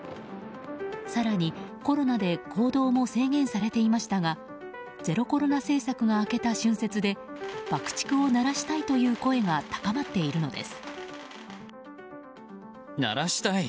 更に、コロナで行動も制限されていましたがゼロコロナ政策が明けた春節で爆竹を鳴らしたいという声が高まっているのです。